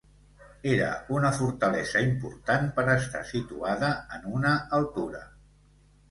Era una fortalesa important per estar situada en una altura.